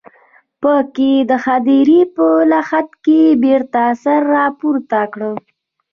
په کې د هديرې په لحد کې بېرته سر راپورته کړ.